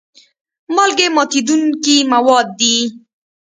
مالګې ماتیدونکي مواد دي.